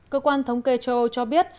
cơ quan thống kê châu âu cho biết